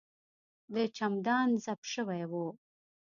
د چمدان زپ شوی و.